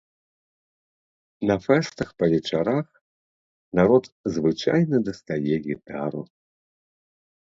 На фэстах па вечарах народ звычайна дастае гітару.